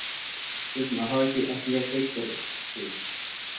سىز ناھايىتى ئەھمىيەتلىك بىر ئىش قىپسىز!